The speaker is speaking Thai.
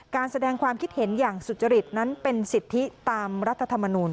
การแสดงความคิดเห็นอย่างสุจริตนั้นเป็นสิทธิตามรัฐธรรมนูล